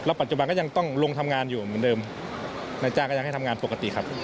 ปัจจุบันก็ยังต้องลงทำงานอยู่เหมือนเดิมนายจ้างก็ยังให้ทำงานปกติครับ